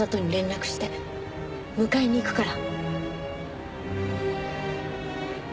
迎えに行くから。